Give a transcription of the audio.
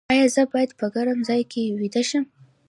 ایا زه باید په ګرم ځای کې ویده شم؟